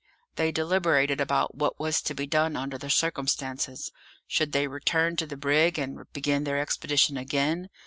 They deliberated about what was to be done under the circumstances. Should they return to the brig and begin their expedition again?